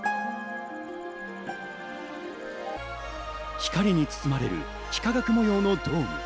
光に包まれる幾何学模様のドーム。